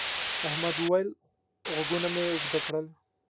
احمد وويل: غوږونه مې اوږده کړل.